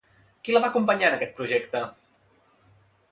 Qui la va acompanyar en aquest projecte?